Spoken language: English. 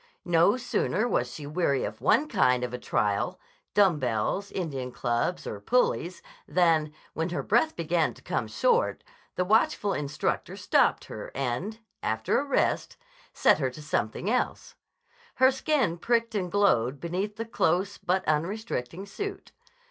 No sooner was she weary of one kind of a trial, dumb bells, Indian clubs, or pulleys, than, when her breath began to come short, the watchful instructor stopped her and, after a rest, set her to something else. Her skin pricked and glowed beneath the close but unrestricting suit.